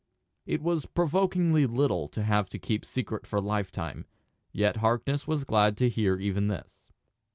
It was provokingly little to have to keep secret for lifetime; yet Harkness was glad to hear even this.